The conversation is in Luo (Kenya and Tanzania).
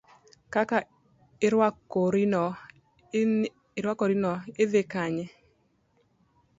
Kaka irwakorino ni dhi kanye.